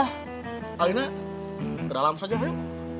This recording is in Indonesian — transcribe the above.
hal ini terdalam saja yuk